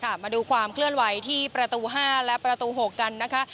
มาดูความเคลื่อนไหวที่ประตู๕และประตู๖กันนะคะ